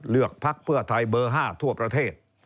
เลือกพักเพื่อไทยเบอร์๕ทั่วประเทศ